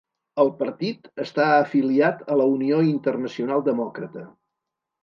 El partit està afiliat a la Unió Internacional Demòcrata.